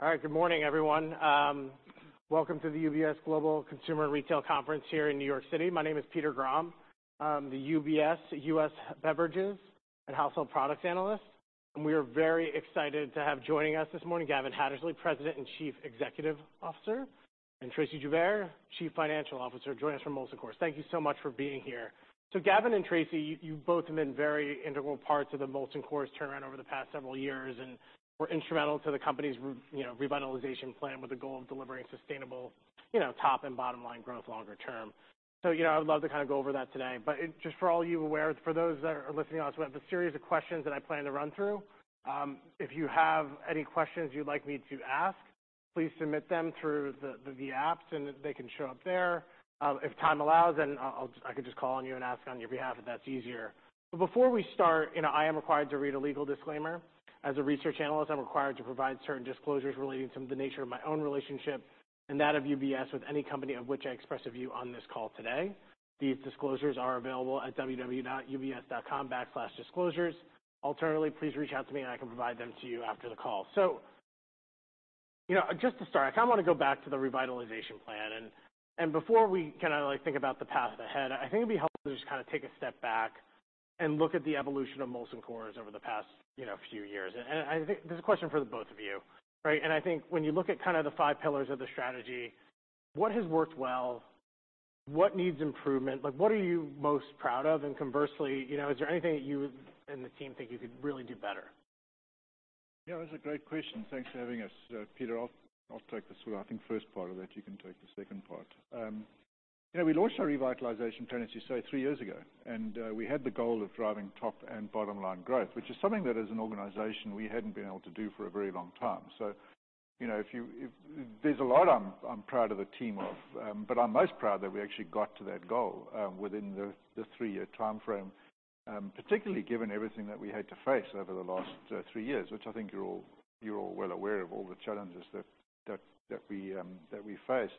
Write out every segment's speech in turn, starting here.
All right. Good morning, everyone. Welcome to the UBS Global Consumer Retail Conference here in New York City. My name is Peter Grom, I'm the UBS US Beverages and Household Products analyst. We are very excited to have joining us this morning, Gavin Hattersley, President and Chief Executive Officer; and Tracey Joubert, Chief Financial Officer. Joining us from Molson Coors. Thank you so much for being here. Gavin and Tracey, you both have been very integral parts of the Molson Coors turnaround over the past several years and were instrumental to the company's you know, revitalization plan with the goal of delivering sustainable, you know, top and bottom line growth longer term. You know, I would love to kind of go over that today. Just for all you aware, for those that are listening on, we have a series of questions that I plan to run through. If you have any questions you'd like me to ask, please submit them through the apps and they can show up there. If time allows, I could just call on you and ask on your behalf, if that's easier. Before we start, you know, I am required to read a legal disclaimer. As a research analyst, I'm required to provide certain disclosures relating to the nature of my own relationship and that of UBS with any company of which I express a view on this call today. These disclosures are available at www.ubs.com/disclosures. Alternatively, please reach out to me and I can provide them to you after the call. You know, just to start, I kind of wanna go back to the revitalization plan and before we kinda like think about the path ahead, I think it'd be helpful to just kind of take a step back and look at the evolution of Molson Coors over the past, you know, few years. I think this is a question for the both of you, right? I think when you look at kind of the five pillars of the strategy, what has worked well? What needs improvement? Like, what are you most proud of? Conversely, you know, is there anything that you and the team think you could really do better? That's a great question. Thanks for having us. Peter, I'll take the sort of, I think, first part of that, you can take the second part. You know, we launched our revitalization plan, as you say, three years ago, we had the goal of driving top and bottom line growth, which is something that as an organization we hadn't been able to do for a very long time. You know, if there's a lot I'm proud of the team of, but I'm most proud that we actually got to that goal within the three-year timeframe, particularly given everything that we had to face over the last three years, which I think you're all, you're all well aware of all the challenges that we faced.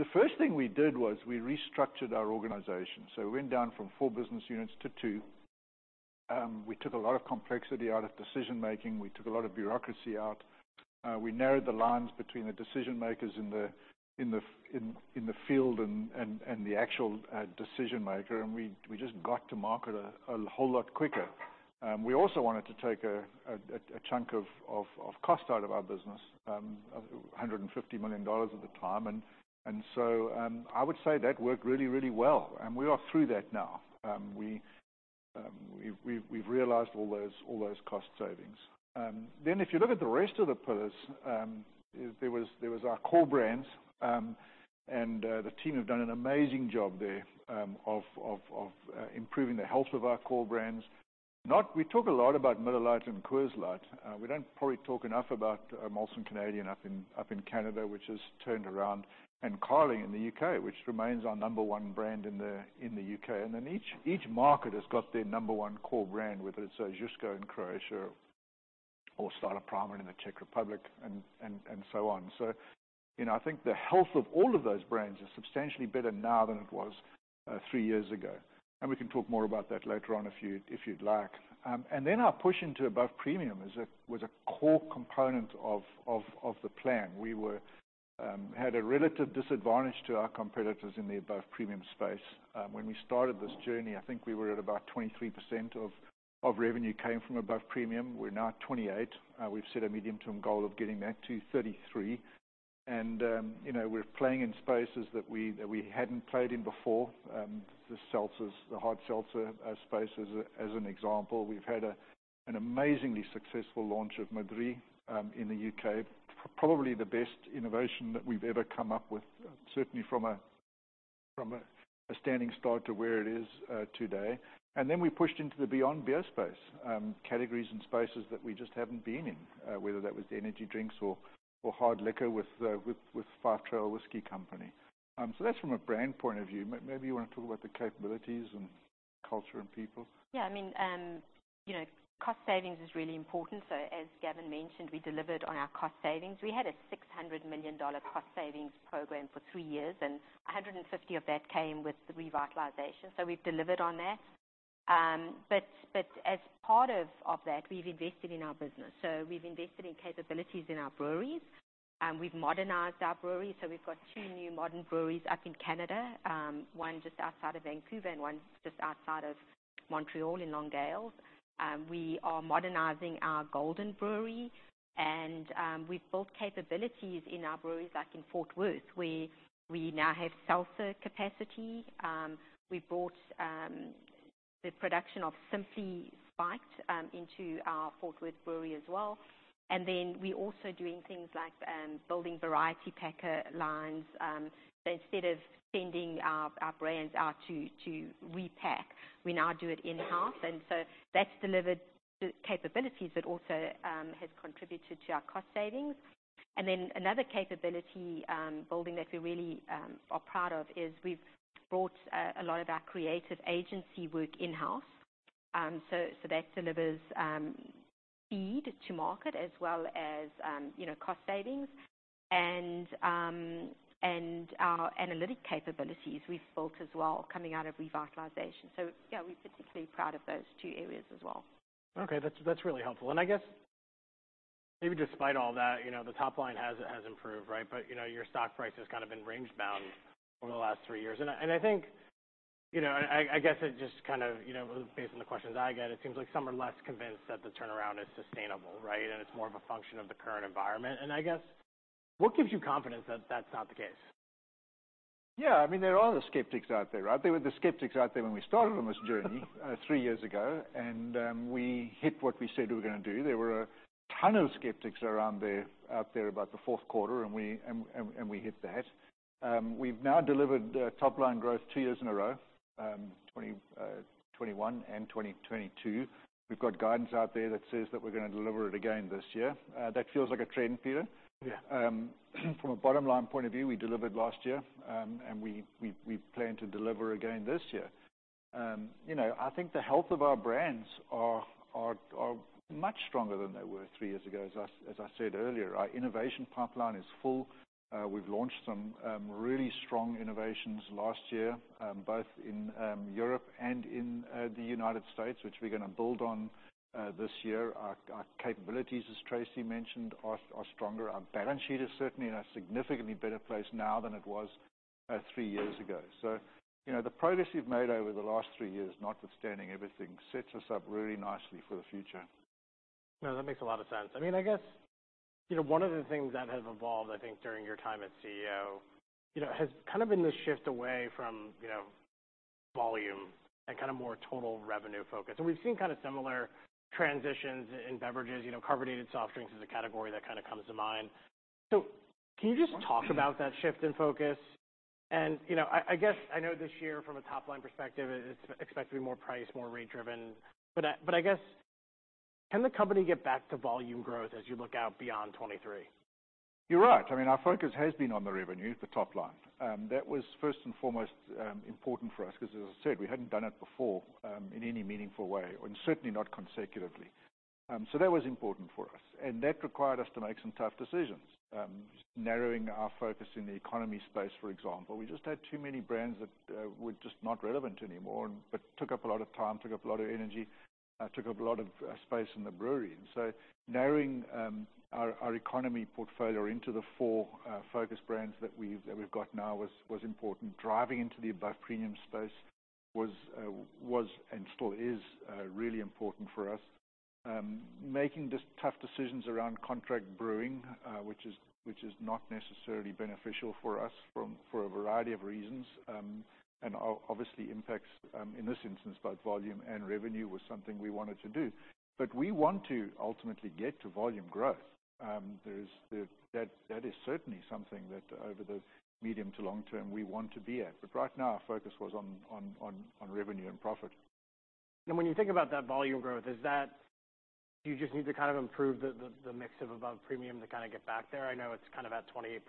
The first thing we did was we restructured our organization, so we went down from four business units to two. We took a lot of complexity out of decision-making. We took a lot of bureaucracy out. We narrowed the lines between the decision makers in the field and the actual decision maker, and we just got to market a whole lot quicker. We also wanted to take a chunk of cost out of our business, $150 million at the time. I would say that worked really, really well, and we are through that now. We, we've realized all those cost savings. If you look at the rest of the pillars, there was our core brands. The team have done an amazing job there of improving the health of our core brands. We talk a lot about Miller Lite and Coors Light. We don't probably talk enough about Molson Canadian up in Canada, which has turned around, and Carling in the U.K., which remains our number one brand in the U.K. Each market has got their number one core brand, whether it's Ožujsko in Croatia or Staropramen in the Czech Republic and so on. You know, I think the health of all of those brands is substantially better now than it was three years ago. We can talk more about that later on if you, if you'd like. Our push into above premium was a core component of the plan. We had a relative disadvantage to our competitors in the above premium space. When we started this journey, I think we were at about 23% of revenue came from above premium. We're now at 28%. We've set a medium-term goal of getting that to 33%. You know, we're playing in spaces that we hadn't played in before. The seltzers, the hard seltzer space as an example. We've had an amazingly successful launch of Madrí in the U.K. Probably the best innovation that we've ever come up with, certainly from a, from a standing start to where it is today. We pushed into the beyond beer space, categories and spaces that we just haven't been in, whether that was energy drinks or hard liquor with Five Trail Whiskey Company. That's from a brand point of view. Maybe you wanna talk about the capabilities and culture and people. I mean, you know, cost savings is really important. As Gavin mentioned, we delivered on our cost savings. We had a $600 million cost savings program for three years, and $150 million of that came with the revitalization. We've delivered on that. But as part of that, we've invested in our business. We've invested in capabilities in our breweries, and we've modernized our breweries. We've got two new modern breweries up in Canada, one just outside of Vancouver and one just outside of Montreal in Longueuil. We are modernizing our Golden Brewery, and we've built capabilities in our breweries, like in Fort Worth, where we now have seltzer capacity. We brought the production of Simply Spiked into our Fort Worth brewery as well. Then we're also doing things like, building variety packer lines. Instead of sending our brands out to repack, we now do it in-house. So that's delivered the capabilities that also has contributed to our cost savings. Then another capability, building that we really are proud of is we've brought a lot of our creative agency work in-house. That delivers, speed to market as well as, you know, cost savings. Our analytic capabilities we've built as well coming out of revitalization. Yeah, we're particularly proud of those two areas as well. Okay, that's really helpful. I guess maybe despite all that, you know, the top line has improved, right? You know, your stock price has kind of been range bound over the last three years. I think, you know, I guess it just kind of, you know, based on the questions I get, it seems like some are less convinced that the turnaround is sustainable, right? It's more of a function of the current environment. I guess what gives you confidence that that's not the case? Yeah, I mean, there are the skeptics out there, right? There were the skeptics out there when we started on this journey, three years ago, and we hit what we said we were gonna do. There were a ton of skeptics around there, out there about the fourth quarter, and we hit that. We've now delivered top line growth two years in a row, 2021 and 2022. We've got guidance out there that says that we're gonna deliver it again this year. That feels like a trend, Peter. Yeah. From a bottom line point of view, we delivered last year, and we plan to deliver again this year. You know, I think the health of our brands are much stronger than they were three years ago. As I said earlier, our innovation pipeline is full. We've launched some really strong innovations last year, both in Europe and in the United States, which we're gonna build on this year. Our capabilities, as Tracey mentioned, are stronger. Our balance sheet is certainly in a significantly better place now than it was three years ago. You know, the progress we've made over the last three years, notwithstanding everything, sets us up really nicely for the future. No, that makes a lot of sense. I mean, I guess, you know, one of the things that has evolved, I think, during your time as CEO, you know, has kind of been this shift away from, you know, volume and kind of more total revenue focus. We've seen kind of similar transitions in beverages, you know, carbonated soft drinks is a category that kind of comes to mind. Can you just talk about that shift in focus? You know, I guess I know this year from a top line perspective, it's expected to be more price, more rate driven. I guess can the company get back to volume growth as you look out beyond 23? You're right. I mean, our focus has been on the revenue, the top line. That was first and foremost important for us because as I said, we hadn't done it before, in any meaningful way, and certainly not consecutively. That was important for us, and that required us to make some tough decisions. Narrowing our focus in the economy space, for example. We just had too many brands that were just not relevant anymore but took up a lot of time, took up a lot of energy, took up a lot of space in the brewery. Narrowing our economy portfolio into the four focus brands that we've got now was important. Driving into the above premium space was and still is really important for us. Making just tough decisions around contract brewing, which is not necessarily beneficial for us from, for a variety of reasons, and obviously impacts, in this instance, both volume and revenue, was something we wanted to do. We want to ultimately get to volume growth. That is certainly something that over the medium to long term we want to be at. Right now, our focus was on revenue and profit. When you think about that volume growth, is that you just need to kind of improve the mix of above premium to kind of get back there? I know it's kind of at 28%.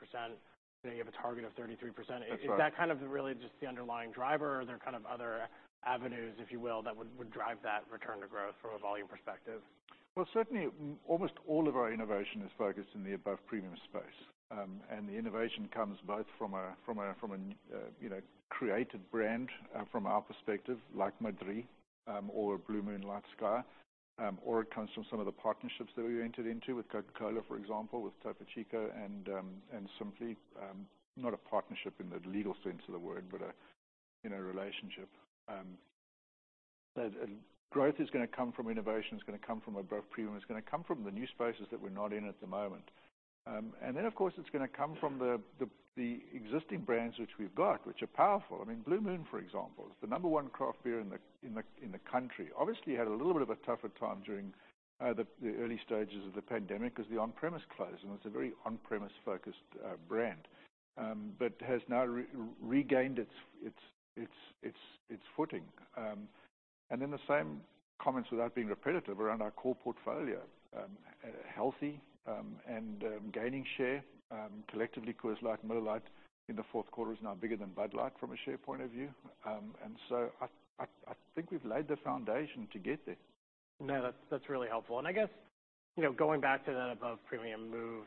You know, you have a target of 33%. That's right. Is that kind of really just the underlying driver or are there kind of other avenues, if you will, that would drive that return to growth from a volume perspective? Well, certainly almost all of our innovation is focused in the above premium space. The innovation comes both from a, you know, created brand, from our perspective, like Madrí, or Blue Moon LightSky, or it comes from some of the partnerships that we entered into with Coca-Cola, for example, with Topo Chico and Simply. Not a partnership in the legal sense of the word, but a, you know, relationship. That growth is gonna come from innovation, it's gonna come from above premium, it's gonna come from the new spaces that we're not in at the moment. Of course, it's gonna come from the existing brands which we've got, which are powerful. I mean, Blue Moon, for example, is the number one craft beer in the country. Obviously had a little bit of a tougher time during the early stages of the pandemic because the on-premise closed, and it's a very on-premise focused brand. Has now regained its footing. The same comments without being repetitive around our core portfolio. Healthy, and gaining share, collectively Coors Light, Miller Lite in the fourth quarter is now bigger than Bud Light from a share point of view. I think we've laid the foundation to get there. No, that's really helpful. I guess, you know, going back to that above premium move,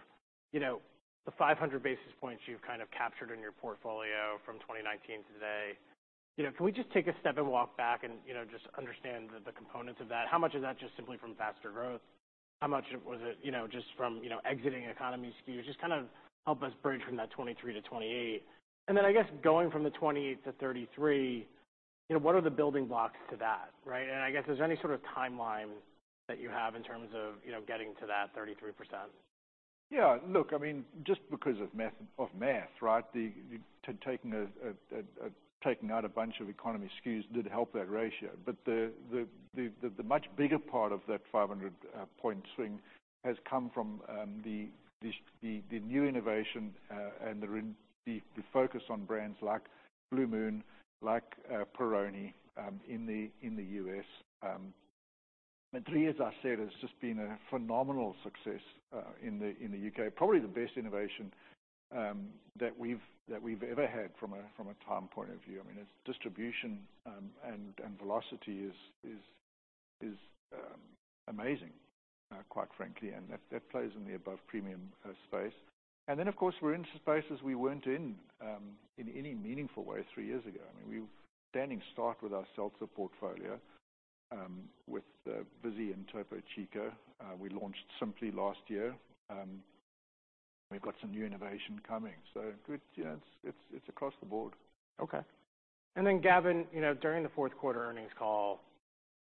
you know, the 500 basis points you've kind of captured in your portfolio from 2019 today. You know, can we just take a step and walk back and, you know, just understand the components of that? How much of that just Simply from faster growth? How much of it was it, you know, just from, you know, exiting economy SKUs? Just kind of help us bridge from that 23-28. Then I guess going from the 28-33, you know, what are the building blocks to that, right? I guess, is there any sort of timeline that you have in terms of, you know, getting to that 33%? Yeah. Look, I mean, just because of math, right? The taking out a bunch of economy SKUs did help that ratio. The much bigger part of that 500 point swing has come from the new innovation and the focus on brands like Blue Moon, like Peroni, in the U.S. Madrí, as I said, has just been a phenomenal success in the U.K. Probably the best innovation that we've ever had from a time point of view. I mean, its distribution and velocity is amazing quite frankly, and that plays in the above premium space. Of course, we're into spaces we weren't in any meaningful way three years ago. I mean, we've a standing start with our seltzer portfolio, with Vizzy and Topo Chico. We launched Simply last year. We've got some new innovation coming. Good. Yeah, it's across the board. Okay. Gavin, you know, during the fourth quarter earnings call,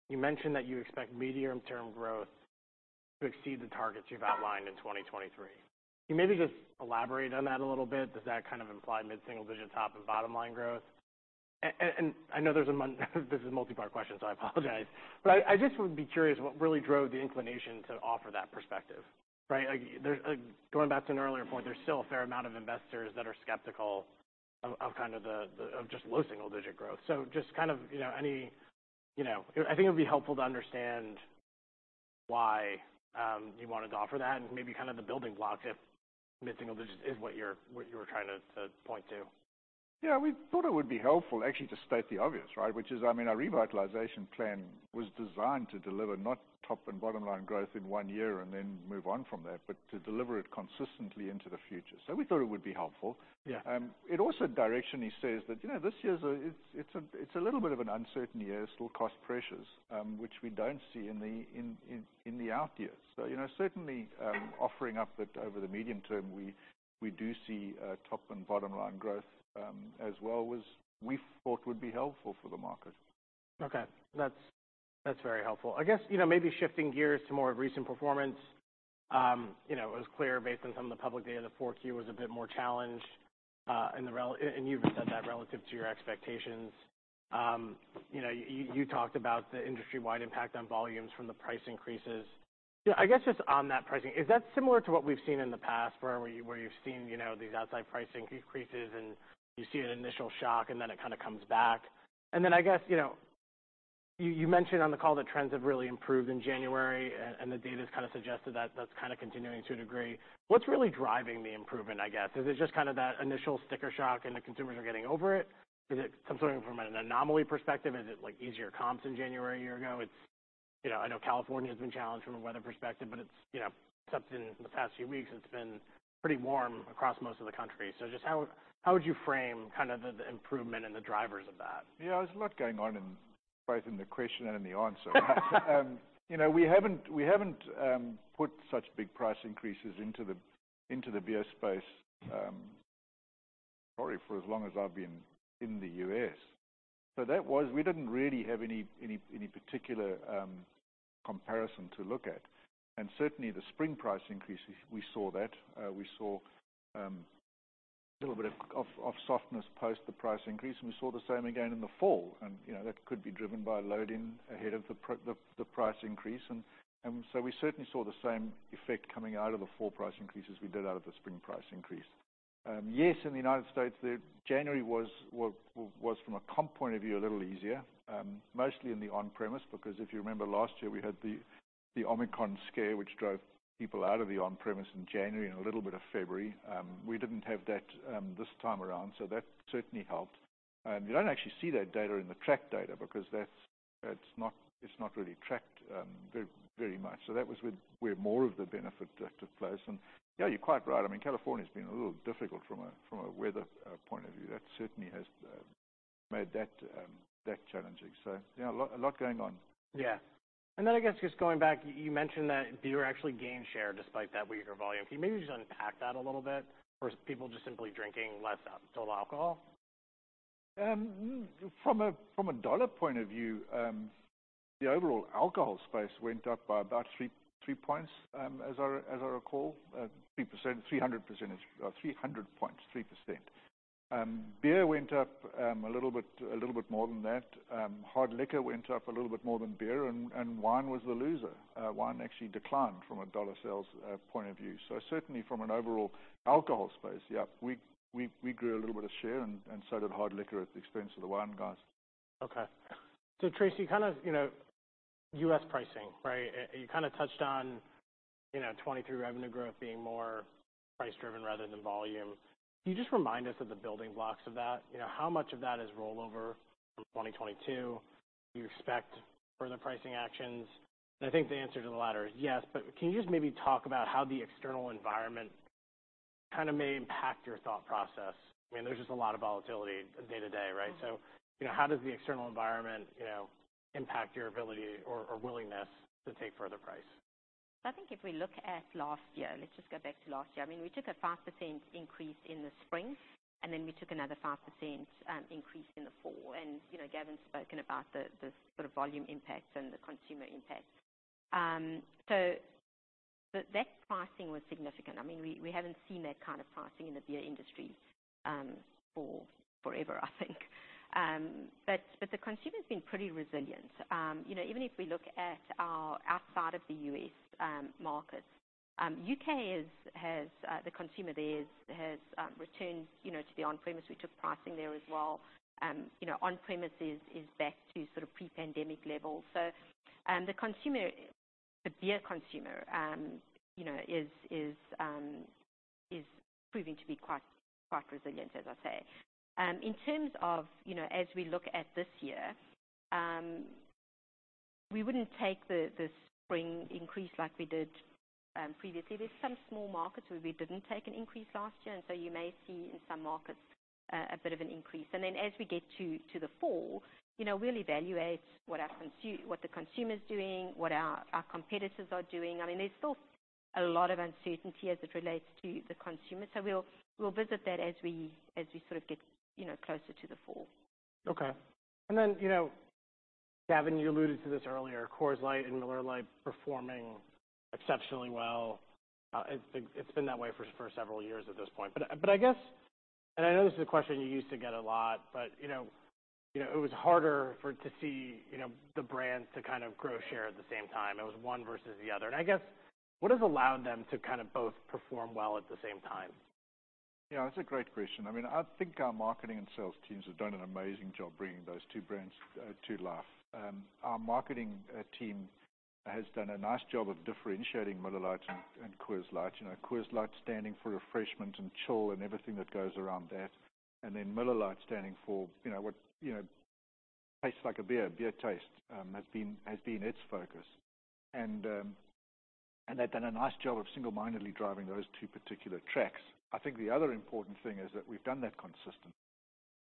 you mentioned that you expect medium-term growth to exceed the targets you've outlined in 2023. Can you maybe just elaborate on that a little bit? Does that kind of imply mid-single digit top and bottom line growth? I know this is a multi-part question, so I apologize. I just would be curious what really drove the inclination to offer that perspective, right? Like, there's Going back to an earlier point, there's still a fair amount of investors that are skeptical of kind of the Of just low single digit growth. just kind of, you know, any, you know. I think it'd be helpful to understand why you wanted to offer that and maybe kind of the building blocks if mid-single digits is what you're, what you were trying to point to. Yeah, we thought it would be helpful actually to state the obvious, right? Which is, I mean, our revitalization plan was designed to deliver not top and bottom line growth in one year and then move on from that, but to deliver it consistently into the future. We thought it would be helpful. Yeah. It also directionally says that, you know, this year's a little bit of an uncertain year. Still cost pressures, which we don't see in the out years. You know, certainly, offering up that over the medium term, we do see top and bottom line growth as well, was we thought would be helpful for the market. Okay. That's very helpful. I guess, you know, maybe shifting gears to more of recent performance, you know, it was clear based on some of the public data, the Q4 was a bit more challenged, You've said that relative to your expectations. You know, you talked about the industry-wide impact on volumes from the price increases. You know, I guess just on that pricing, is that similar to what we've seen in the past, where you've seen, you know, these outside pricing increases and you see an initial shock, and then it kinda comes back? I guess, you know, you mentioned on the call that trends have really improved in January and the data's kinda suggested that that's continuing to a degree. What's really driving the improvement, I guess? Is it just kind of that initial sticker shock and the consumers are getting over it? Is it some sort of from an anomaly perspective? Is it like easier comps in January a year ago? You know, I know California's been challenged from a weather perspective, but it's, you know, something in the past few weeks that's been pretty warm across most of the country. Just how would you frame kind of the improvement and the drivers of that? Yeah. There's a lot going on in, both in the question and in the answer. You know, we haven't put such big price increases into the beer space probably for as long as I've been in the US. We didn't really have any particular comparison to look at. Certainly the spring price increases, we saw that. We saw a little bit of softness post the price increase, we saw the same again in the fall. You know, that could be driven by load-in ahead of the price increase. We certainly saw the same effect coming out of the fall price increase as we did out of the spring price increase. Yes, in the United States, the January was, from a comp point of view, a little easier, mostly in the on-premise because if you remember last year, we had the Omicron scare which drove people out of the on-premise in January and a little bit of February. We didn't have that this time around, so that certainly helped. You don't actually see that data in the track data because that's. It's not really tracked very much. That was where more of the benefit took place. Yeah, you're quite right. I mean, California's been a little difficult from a weather point of view. That certainly has made that challenging. Yeah, a lot going on. Yeah. Then I guess just going back, you mentioned that beer actually gained share despite that weaker volume. Can you maybe just unpack that a little bit? Is people just simply drinking less of total alcohol? From a, from a dollar point of view, the overall alcohol space went up by about 3 points as I recall. 3%. Beer went up a little bit more than that. Hard liquor went up a little bit more than beer and wine was the loser. Wine actually declined from a dollar sales point of view. Certainly from an overall alcohol space, yeah, we grew a little bit of share and so did hard liquor at the expense of the wine guys. Okay. Tracey, kind of, you know, U.S. pricing, right? You kinda touched on, you know, 2023 revenue growth being more price driven rather than volume. Can you just remind us of the building blocks of that? You know, how much of that is rollover from 2022? Do you expect further pricing actions? I think the answer to the latter is yes, but can you just maybe talk about how the external environment kinda may impact your thought process? I mean, there's just a lot of volatility day to day, right? You know, how does the external environment, you know, impact your ability or willingness to take further price? I think if we look at last year, let's just go back to last year. I mean, we took a 5% increase in the spring, then we took another 5% increase in the fall. You know, Gavin's spoken about the sort of volume impact and the consumer impact. That pricing was significant. I mean, we haven't seen that kind of pricing in the beer industry for forever, I think. But the consumer's been pretty resilient. You know, even if we look at our outside of the US markets, UK, the consumer there has returned, you know, to the on-premise. We took pricing there as well. You know, on-premise is back to sort of pre-pandemic levels. The beer consumer, you know, is proving to be quite resilient, as I say. In terms of, you know, as we look at this year, we wouldn't take the spring increase like we did previously. There's some small markets where we didn't take an increase last year, you may see in some markets a bit of an increase. As we get to the fall, you know, we'll evaluate what the consumer's doing, what our competitors are doing. I mean, there's still a lot of uncertainty as it relates to the consumer, we'll visit that as we sort of get, you know, closer to the fall. Okay. Then, you know, Gavin, you alluded to this earlier, Coors Light and Miller Lite performing exceptionally well. It's been that way for several years at this point. I guess, and I know this is a question you used to get a lot, you know, it was harder to see, you know, the brands to kind of grow share at the same time. It was one versus the other. I guess what has allowed them to kind of both perform well at the same time? Yeah, that's a great question. I mean, I think our marketing and sales teams have done an amazing job bringing those two brands to life. Our marketing team has done a nice job of differentiating Miller Lite and Coors Light. You know, Coors Light standing for refreshment and chill and everything that goes around that, and then Miller Lite standing for, you know, what, you know, tastes like a beer. Beer taste has been its focus. They've done a nice job of single-mindedly driving those two particular tracks. I think the other important thing is that we've done that consistently.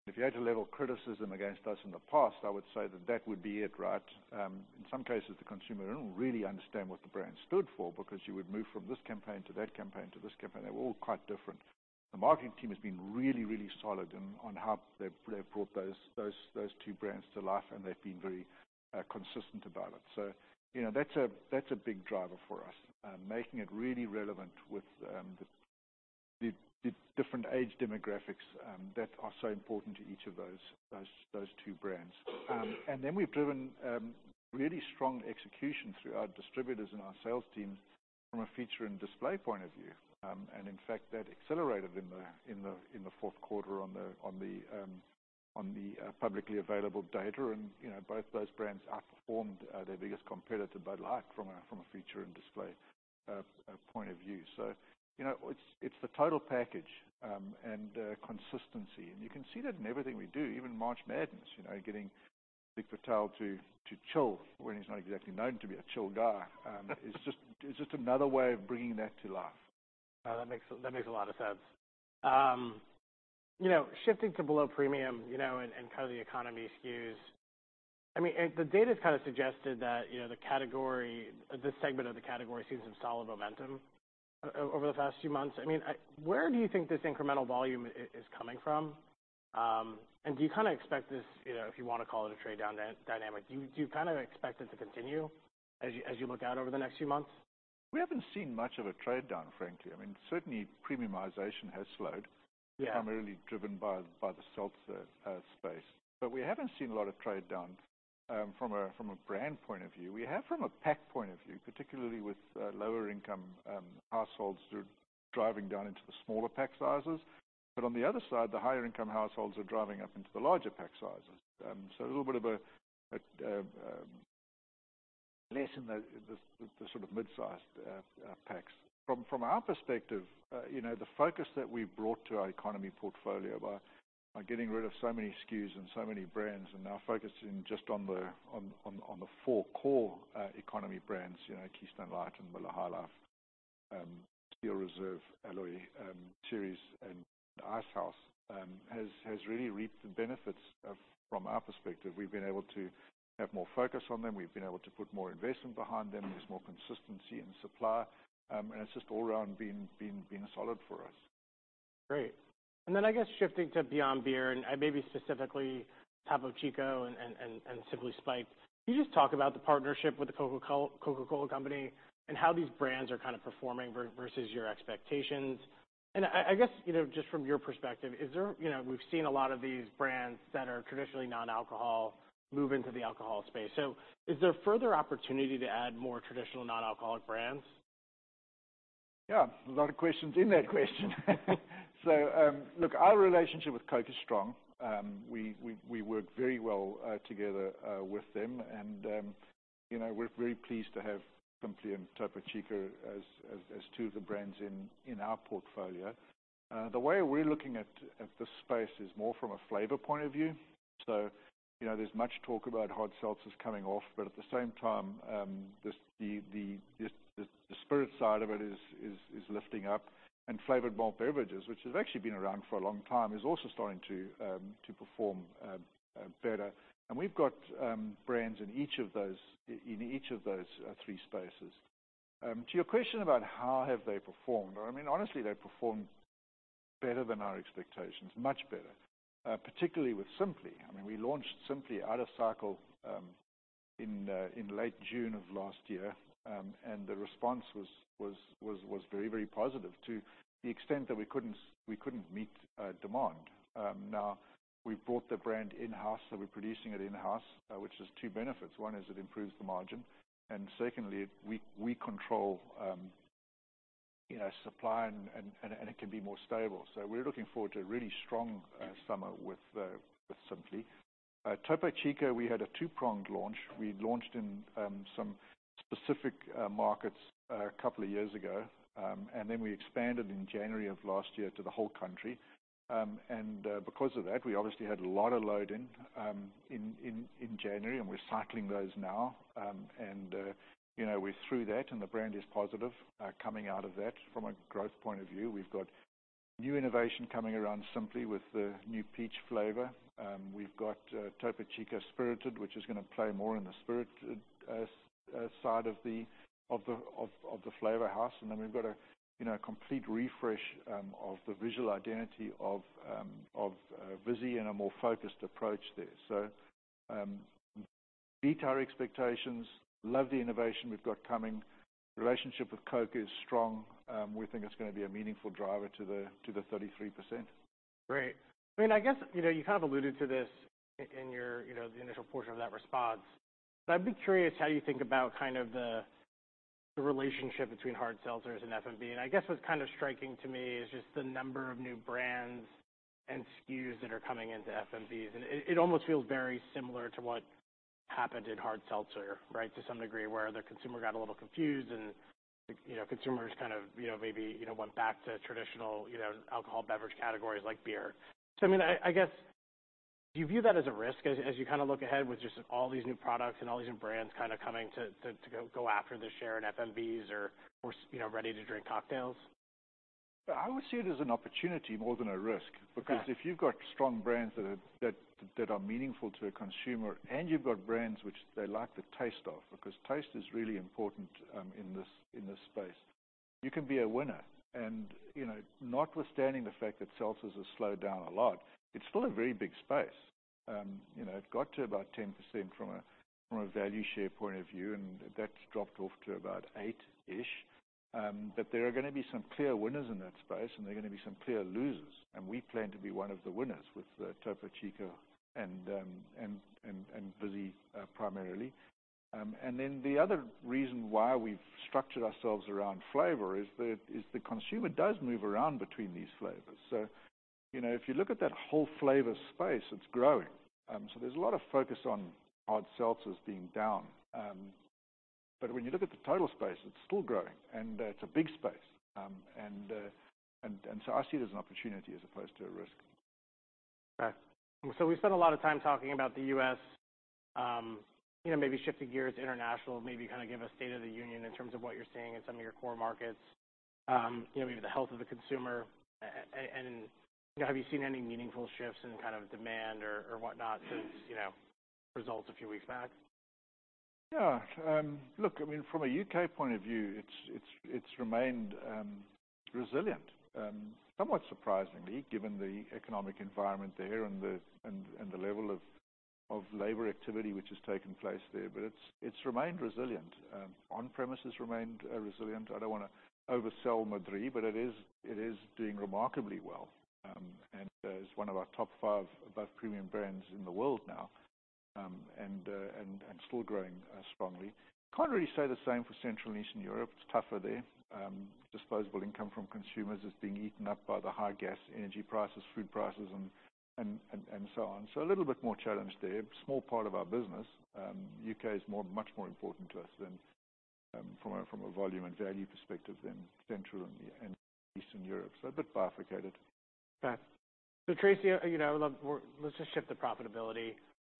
If you had to level criticism against us in the past, I would say that that would be it, right? In some cases, the consumer didn't really understand what the brand stood for because you would move from this campaign to that campaign to this campaign. They were all quite different. The marketing team has been really, really solid on how they've brought those two brands to life, and they've been very consistent about it. You know, that's a big driver for us, making it really relevant with the different age demographics that are so important to each of those two brands. We've driven really strong execution through our distributors and our sales teams from a feature and display point of view. In fact, that accelerated in the fourth quarter on the publicly available data. You know, both those brands outperformed, their biggest competitor, Bud Light, from a feature and display, point of view. You know, it's the total package, and consistency. You can see that in everything we do, even March Madness, you know, getting Dick Vitale to chill when he's not exactly known to be a chill guy, is just another way of bringing that to life. No, that makes a lot of sense. You know, shifting to below premium, you know, and kind of the economy SKUs, I mean, and the data's kind of suggested that, you know, the category, the segment of the category sees some solid momentum over the past few months. I mean, where do you think this incremental volume is coming from? And do you kinda expect this, you know, if you wanna call it a trade down dynamic, do you kind of expect it to continue as you, as you look out over the next few months? We haven't seen much of a trade down, frankly. I mean, certainly premiumization has slowed- Yeah. primarily driven by the seltzer space. We haven't seen a lot of trade down from a brand point of view. We have from a pack point of view, particularly with lower income households who are driving down into the smaller pack sizes. On the other side, the higher income households are driving up into the larger pack sizes. A little bit of a less in the sort of mid-sized packs. From our perspective, you know, the focus that we've brought to our economy portfolio by getting rid of so many SKUs and so many brands and now focusing just on the four core economy brands, you know, Keystone Light and Miller High Life, Steel Reserve Alloy Series, and Icehouse, has really reaped the benefits. From our perspective, we've been able to have more focus on them. We've been able to put more investment behind them. There's more consistency in supply. It's just all around been solid for us. Great. I guess shifting to beyond beer and maybe specifically Topo Chico and Simply Spiked. Can you just talk about the partnership with the Coca-Cola Company and how these brands are kind of performing versus your expectations? I guess, you know, just from your perspective, we've seen a lot of these brands that are traditionally non-alcohol move into the alcohol space. Is there further opportunity to add more traditional non-alcoholic brands? Yeah. A lot of questions in that question. Look, our relationship with Coke is strong. We work very well together with them. You know, we're very pleased to have Simply and Topo Chico as two of the brands in our portfolio. The way we're looking at this space is more from a flavor point of view. You know, there's much talk about hard seltzers coming off, but at the same time, the spirit side of it is lifting up. Flavored malt beverages, which has actually been around for a long time, is also starting to perform better. We've got brands in each of those three spaces. To your question about how have they performed, I mean, honestly, they've performed better than our expectations, much better. Particularly with Simply. I mean, we launched Simply out of cycle, in late June of last year. The response was very, very positive to the extent that we couldn't meet demand. Now we've brought the brand in-house, so we're producing it in-house, which has two benefits. One is it improves the margin, and secondly, we control, you know, supply and it can be more stable. We're looking forward to a really strong summer with Simply. Topo Chico, we had a two-pronged launch. We launched in some specific markets a couple of years ago. We expanded in January of last year to the whole country. Because of that, we obviously had a lot of loading in January, and we're cycling those now. You know, we're through that and the brand is positive coming out of that. From a growth point of view, we've got new innovation coming around Simply with the new peach flavor. We've got Topo Chico Spirited, which is gonna play more in the spirit side of the flavor house. We've got a, you know, complete refresh of the visual identity of Vizzy and a more focused approach there. Beat our expectations, love the innovation we've got coming. Relationship with Coke is strong, we think it's gonna be a meaningful driver to the 33%. Great. I mean, I guess, you know, you kind of alluded to this in your, you know, the initial portion of that response. I'd be curious how you think about kind of the relationship between hard seltzers and FMB. I guess what's kind of striking to me is just the number of new brands and SKUs that are coming into FMBs. It, it almost feels very similar to what happened in hard seltzer, right? To some degree, where the consumer got a little confused and, you know, consumers kind of, you know, maybe, you know, went back to traditional, you know, alcohol beverage categories like beer. I mean, I guess, do you view that as a risk as you kind of look ahead with just all these new products and all these new brands kind of coming to go after the share in FMBs or, you know, ready-to-drink cocktails? I would see it as an opportunity more than a risk. Okay. If you've got strong brands that are meaningful to a consumer, and you've got brands which they like the taste of, because taste is really important, in this space, you can be a winner. You know, notwithstanding the fact that seltzers have slowed down a lot, it's still a very big space. You know, it got to about 10% from a value share point of view, and that's dropped off to about 8-ish. There are gonna be some clear winners in that space, and there are gonna be some clear losers. We plan to be one of the winners with Topo Chico and Vizzy, primarily. The other reason why we've structured ourselves around flavor is the consumer does move around between these flavors. You know, if you look at that whole flavor space, it's growing. There's a lot of focus on hard seltzers being down. When you look at the total space, it's still growing, and it's a big space. I see it as an opportunity as opposed to a risk. We've spent a lot of time talking about the U.S., you know, maybe shifting gears international, maybe kind of give a state of the union in terms of what you're seeing in some of your core markets, you know, maybe the health of the consumer, and, you know, have you seen any meaningful shifts in kind of demand or whatnot since, you know, results a few weeks back? Yeah. Look, I mean, from a U.K. point of view, it's remained resilient. Somewhat surprisingly, given the economic environment there and the level of labor activity which has taken place there. It's remained resilient. On-premises remained resilient. I don't want to oversell Madrí, but it is doing remarkably well and is one of our top five above premium brands in the world now and still growing strongly. Can't really say the same for Central and Eastern Europe. It's tougher there. Disposable income from consumers is being eaten up by the high gas, energy prices, food prices and so on. A little bit more challenged there. Small part of our business. UK is more, much more important to us than from a volume and value perspective than Central and Eastern Europe. A bit bifurcated. Okay. Tracey, you know, let's just shift to profitability.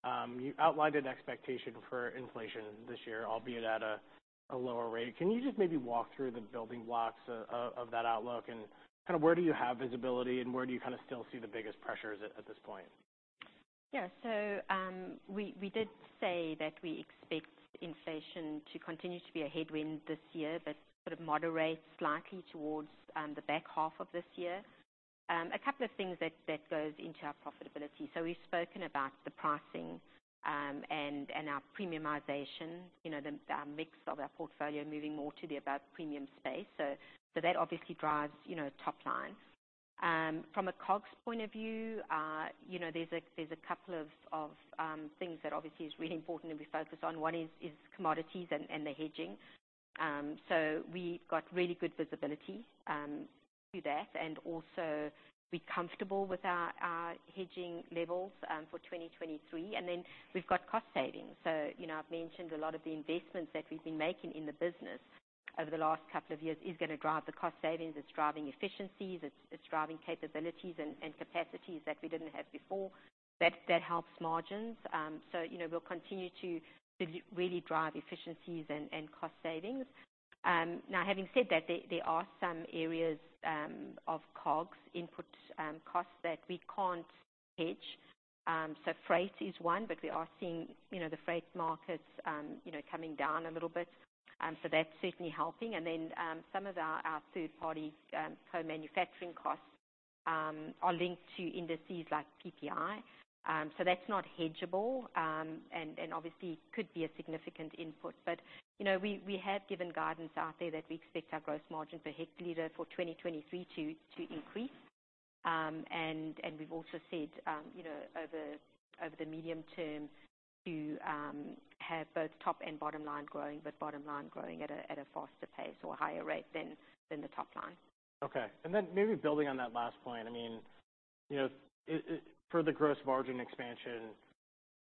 You outlined an expectation for inflation this year, albeit at a lower rate. Can you just maybe walk through the building blocks of that outlook and kind of where do you have visibility and where do you kind of still see the biggest pressures at this point? Yeah. We did say that we expect inflation to continue to be a headwind this year, but sort of moderate slightly towards the back half of this year. A couple of things that goes into our profitability. We've spoken about the pricing and our premiumization, you know, the mix of our portfolio moving more to the above premium space. That obviously drives, you know, top line. From a COGS point of view, you know, there's a couple of things that obviously is really important that we focus on. One is commodities and the hedging. We've got really good visibility to that, and also we're comfortable with our hedging levels for 2023. We've got cost savings. You know, I've mentioned a lot of the investments that we've been making in the business over the last couple of years is gonna drive the cost savings. It's driving efficiencies, it's driving capabilities and capacities that we didn't have before. That helps margins. You know, we'll continue to really drive efficiencies and cost savings. Now, having said that, there are some areas of COGS input costs that we can't hedge. Freight is one, but we are seeing, you know, the freight markets, you know, coming down a little bit. That's certainly helping. Then, some of our third-party co-manufacturing costs are linked to indices like PPI. That's not hedgeable, and obviously could be a significant input. You know, we have given guidance out there that we expect our gross margin per hectoliter for 2023 to increase. We've also said, you know, over the medium term to have both top and bottom line growing, but bottom line growing at a faster pace or higher rate than the top line. Okay. Then maybe building on that last point, I mean, you know, For the gross margin expansion,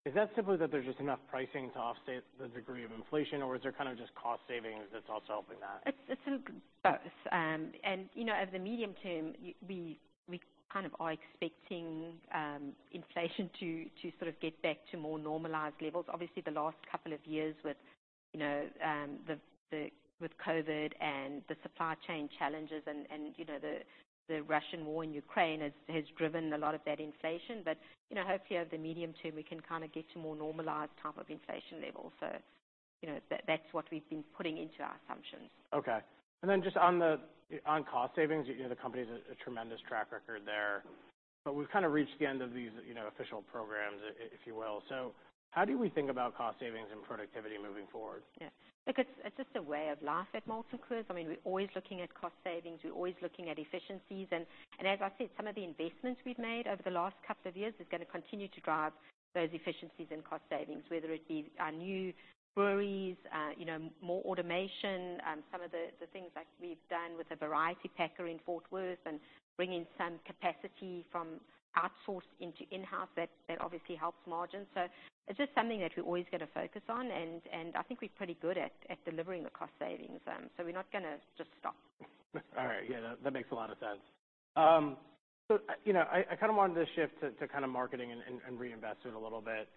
is that simply that there's just enough pricing to offset the degree of inflation, or is there kind of just cost savings that's also helping that? It's sort of both. You know, over the medium term, we kind of are expecting inflation to sort of get back to more normalized levels. Obviously, the last couple of years with, you know, with COVID and the supply chain challenges and, you know, the Russian war in Ukraine has driven a lot of that inflation. You know, hopefully over the medium term we can kind of get to more normalized type of inflation levels. You know, that's what we've been putting into our assumptions. Okay. Just on cost savings, you know, the company has a tremendous track record there. We've kind of reached the end of these, you know, official programs, if you will. How do we think about cost savings and productivity moving forward? Look, it's just a way of life at Molson Coors. I mean, we're always looking at cost savings. We're always looking at efficiencies. As I said, some of the investments we've made over the last couple of years is gonna continue to drive those efficiencies and cost savings, whether it be our new breweries, you know, more automation, some of the things like we've done with the variety packer in Fort Worth and bringing some capacity from outsourced into in-house, that obviously helps margin. It's just something that we always gonna focus on and I think we're pretty good at delivering the cost savings. We're not gonna just stop. All right. Yeah, that makes a lot of sense. You know, I kind of wanted to shift to kind of marketing and reinvesting a little bit.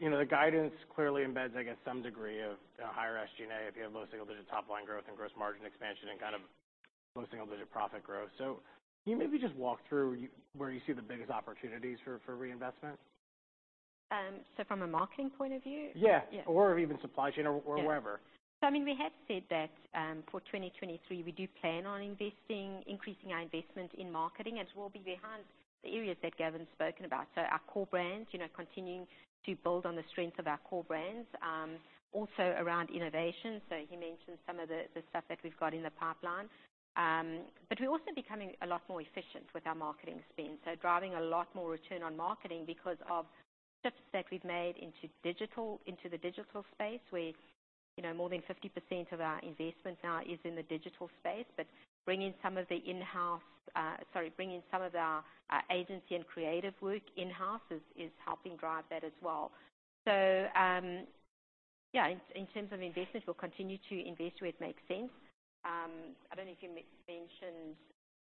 You know, the guidance clearly embeds, I guess, some degree of higher SG&A if you have low single digit top line growth and gross margin expansion and kind of low single digit profit growth. Can you maybe just walk through where you see the biggest opportunities for reinvestment? from a marketing point of view? Yeah. Yeah. Even supply chain or wherever. Yeah. I mean, we have said that, for 2023, we do plan on investing, increasing our investment in marketing, and it will be behind the areas that Gavin's spoken about. Our core brands, you know, continuing to build on the strength of our core brands. Also around innovation. He mentioned some of the stuff that we've got in the pipeline. But we're also becoming a lot more efficient with our marketing spend. Driving a lot more return on marketing because of shifts that we've made into digital, into the digital space, where, you know, more than 50% of our investment now is in the digital space. But bringing some of the in-house. Sorry, bringing some of our agency and creative work in-house is helping drive that as well. Yeah, in terms of investments, we'll continue to invest where it makes sense. I don't know if you mentioned,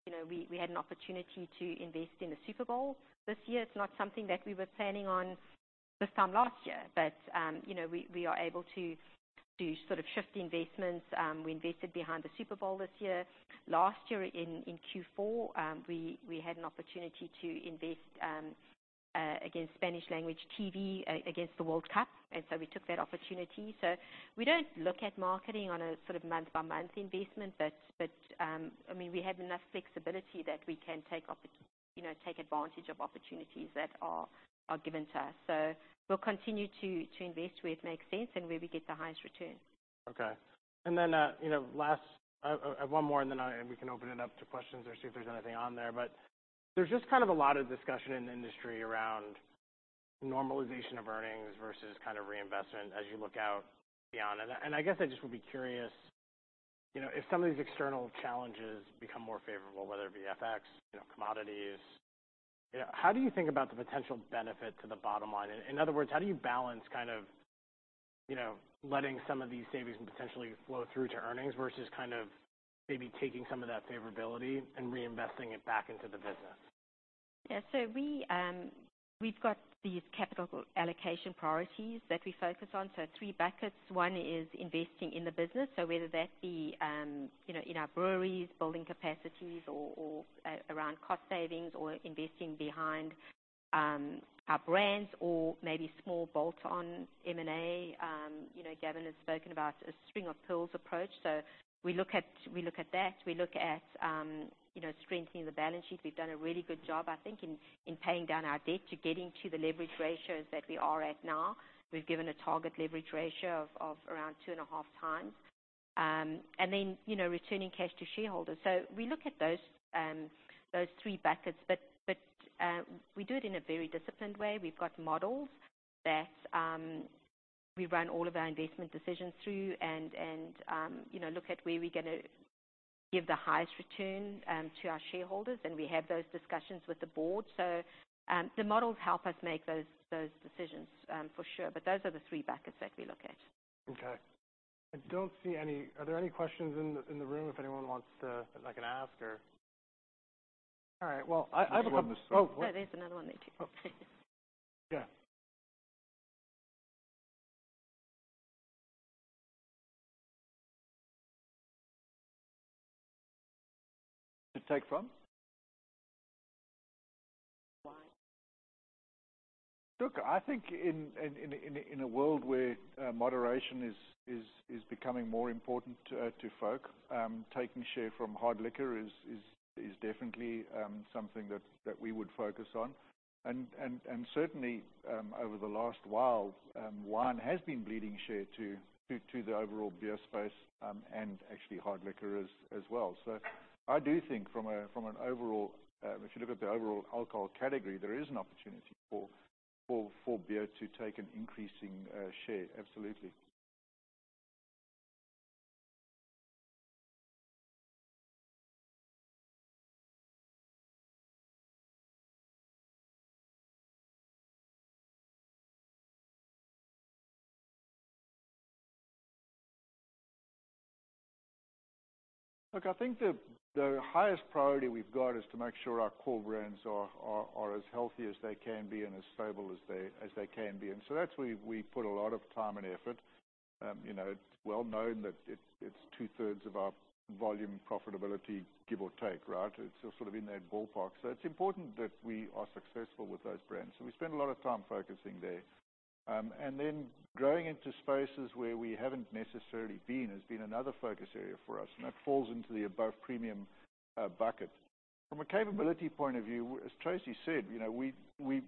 you know, we had an opportunity to invest in the Super Bowl this year. It's not something that we were planning on this time last year, but, you know, we are able to sort of shift the investments. We invested behind the Super Bowl this year. Last year in Q4, we had an opportunity to invest against Spanish language TV against the World Cup, and so we took that opportunity. We don't look at marketing on a sort of month-by-month investment. I mean, we have enough flexibility that we can take, you know, take advantage of opportunities that are given to us. We'll continue to invest where it makes sense and where we get the highest return. Okay. Then, you know, one more and then we can open it up to questions or see if there's anything on there. There's just kind of a lot of discussion in the industry around normalization of earnings versus kind of reinvestment as you look out beyond. I guess I just would be curious, you know, if some of these external challenges become more favorable, whether it be FX, you know, commodities, you know, how do you think about the potential benefit to the bottom line? In other words, how do you balance kind of, you know, letting some of these savings potentially flow through to earnings versus kind of maybe taking some of that favorability and reinvesting it back into the business? Yeah. We've got these capital allocation priorities that we focus on. Three buckets. One is investing in the business. Whether that be, you know, in our breweries, building capacities or, around cost savings or investing behind, our brands or maybe small bolt-on M&A. You know, Gavin has spoken about a string of pearls approach. We look at, we look at that. We look at, you know, strengthening the balance sheet. We've done a really good job, I think, in paying down our debt to getting to the leverage ratios that we are at now. We've given a target leverage ratio of around 2.5x. You know, returning cash to shareholders. We look at those three buckets. We do it in a very disciplined way. We've got models that, we run all of our investment decisions through and, you know, look at where we're gonna give the highest return, to our shareholders, and we have those discussions with the board. The models help us make those decisions, for sure. Those are the three buckets that we look at. Okay. I don't see any. Are there any questions in the room if anyone wants to. Like an ask or? All right. Well, I have a couple. There's one. Oh, wait. No, there's another one there, too. Yeah. To take from? Wine. Look, I think in a world where moderation is becoming more important to folk, taking share from hard liquor is definitely something that we would focus on. Certainly, over the last while, wine has been bleeding share to the overall beer space and actually hard liquor as well. I do think from an overall... If you look at the overall alcohol category, there is an opportunity for beer to take an increasing share. Absolutely. Look, I think the highest priority we've got is to make sure our core brands are as healthy as they can be and as stable as they can be. That's where we put a lot of time and effort. You know, it's well known that it's two-thirds of our volume profitability, give or take, right? It's sort of in that ballpark. It's important that we are successful with those brands. We spend a lot of time focusing there. Growing into spaces where we haven't necessarily been has been another focus area for us, and that falls into the above premium bucket. From a capability point of view, as Tracey said, you know, we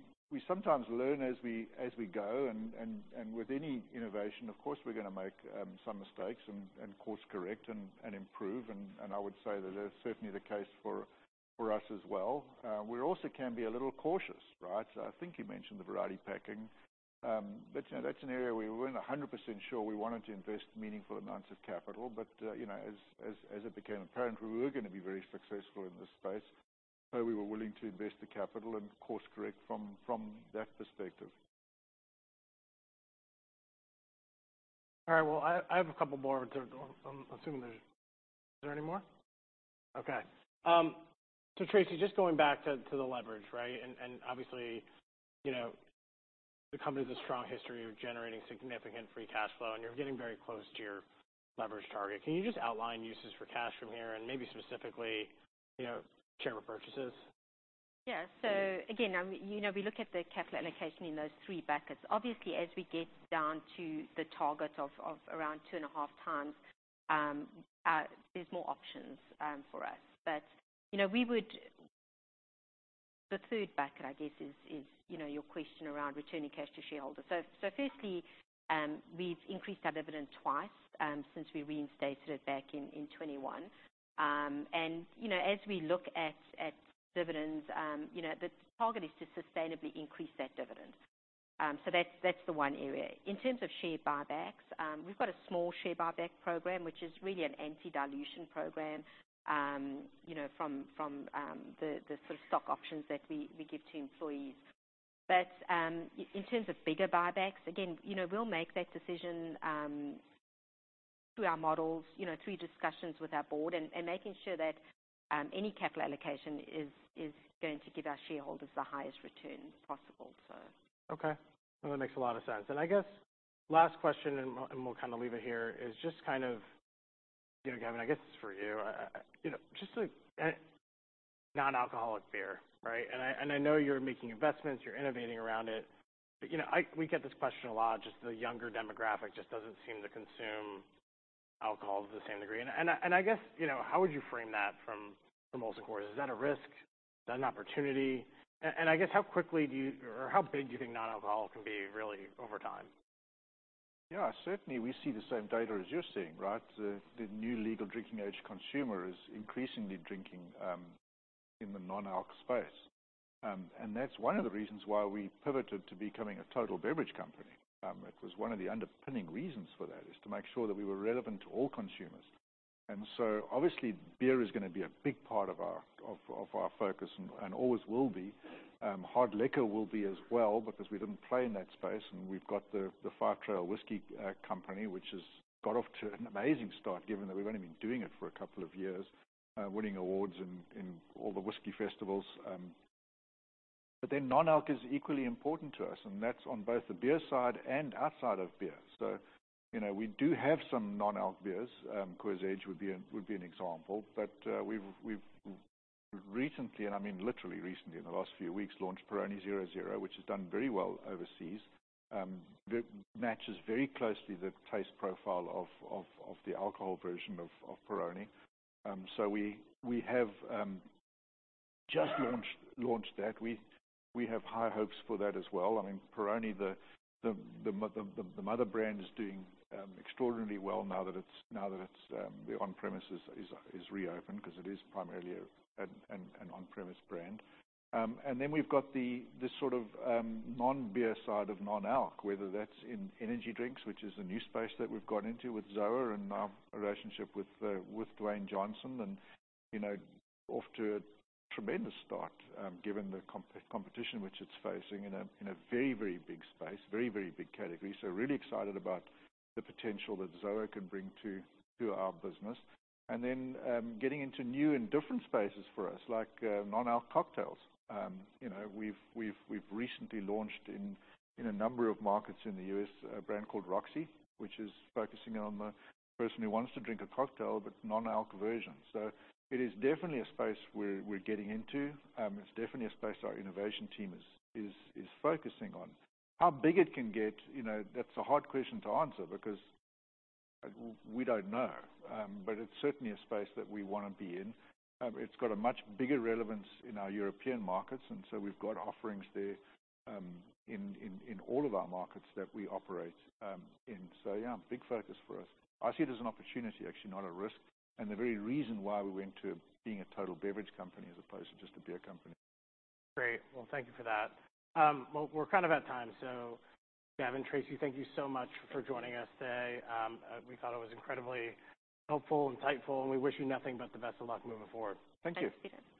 sometimes learn as we go, and with any innovation, of course, we're gonna make some mistakes and course correct and improve. I would say that that's certainly the case for us as well. We also can be a little cautious, right? I think you mentioned the variety packing. That's, you know, that's an area we weren't 100% sure we wanted to invest meaningful amounts of capital. You know, as it became apparent we were gonna be very successful in this space, we were willing to invest the capital and course correct from that perspective. All right. Well, I have a couple more. I'm assuming there's. Is there any more? Okay. Tracey, just going back to the leverage, right? Obviously, you know, the company has a strong history of generating significant free cash flow, and you're getting very close to your leverage target. Can you just outline uses for cash from here and maybe specifically, you know, share repurchases? Yeah. Again, you know, we look at the capital allocation in those three buckets. Obviously, as we get down to the target of around two and a half times, there's more options for us. You know, the third bucket, I guess is, you know, your question around returning cash to shareholders. Firstly, we've increased our dividend twice since we reinstated it back in 2021. You know, as we look at dividends, you know, the target is to sustainably increase that dividend. That's the one area. In terms of share buybacks, we've got a small share buyback program, which is really an anti-dilution program, you know, from the sort of stock options that we give to employees. In terms of bigger buybacks, again, you know, we'll make that decision through our models, you know, through discussions with our board and making sure that any capital allocation is going to give our shareholders the highest returns possible so. Okay. That makes a lot of sense. I guess last question, and we'll, and we'll kinda leave it here, is just kind of, you know, Gavin, I guess it's for you. Non-alcoholic beer, right? I, and I know you're making investments, you're innovating around it. You know, we get this question a lot, just the younger demographic just doesn't seem to consume alcohol to the same degree. I, and I guess, you know, how would you frame that from Molson Coors? Is that a risk? Is that an opportunity? I guess how quickly do you or how big do you think non-alcohol can be really over time? Yeah. Certainly, we see the same data as you're seeing, right. The new legal drinking age consumer is increasingly drinking in the non-alc space. That's one of the reasons why we pivoted to becoming a total beverage company. It was one of the underpinning reasons for that, is to make sure that we were relevant to all consumers. Obviously beer is gonna be a big part of our focus and always will be. Hard liquor will be as well because we didn't play in that space, and we've got the Five Trail Whiskey company, which has got off to an amazing start, given that we've only been doing it for a couple of years, winning awards in all the whiskey festivals. Non-alc is equally important to us, and that's on both the beer side and outside of beer. You know, we do have some non-alc beers, Coors Edge would be an example. We've recently, and I mean literally recently, in the last few weeks, launched Peroni 0.0%, which has done very well overseas. It matches very closely the taste profile of the alcohol version of Peroni. We have just launched that. We have high hopes for that as well. I mean, Peroni, the mother brand is doing extraordinarily well now that it's reopened because it is primarily an on-premise brand. Then we've got the, this sort of, non-beer side of non-alc, whether that's in energy drinks, which is a new space that we've gone into with ZOA and our relationship with Dwayne Johnson, and, you know, off to a tremendous start, given the competition which it's facing in a very, very big space, very, very big category. Really excited about the potential that ZOA can bring to our business. Then, getting into new and different spaces for us, like, non-alc cocktails. You know, we've recently launched in a number of markets in the U.S. a brand called Roxie, which is focusing on the person who wants to drink a cocktail, but non-alc version. It is definitely a space we're getting into. It's definitely a space our innovation team is focusing on. How big it can get, you know, that's a hard question to answer because we don't know. It's certainly a space that we wanna be in. It's got a much bigger relevance in our European markets, we've got offerings there, in all of our markets that we operate in. Yeah, big focus for us. I see it as an opportunity, actually, not a risk, and the very reason why we went to being a total beverage company as opposed to just a beer company. Great. Well, thank you for that. Well, we're kind of at time. Gavin, Tracey, thank you so much for joining us today. We thought it was incredibly helpful, insightful, and we wish you nothing but the best of luck moving forward. Thank you. Thanks, Peter. Thank you.